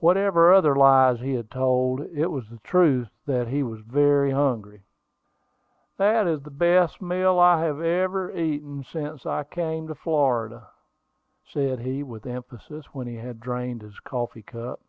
Whatever other lies he had told, it was the truth that he was very hungry. "That is the best meal I have eaten since I came into Florida," said he with emphasis, when he had drained his coffee cup.